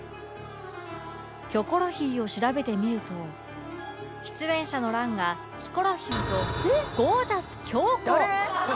『キョコロヒー』を調べてみると出演者の欄がヒコロヒーとゴージャス京子